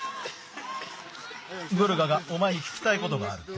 グルガがおまえにききたいことがあるって。